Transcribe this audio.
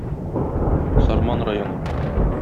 Сарман районы.